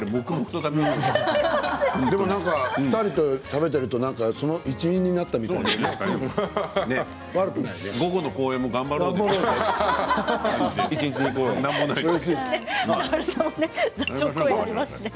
２人と食べているとその一員になったようで午後の公演も頑張ろうね。